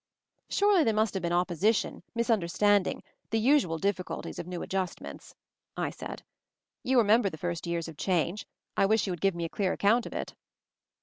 "Surely there must have been opposition, misunderstanding, the usual difficulties of new adjustments," I said. "You remember the first years of change — I wish you would give me a clear account of it."